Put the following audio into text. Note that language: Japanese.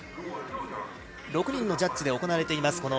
６人のジャッジで行われています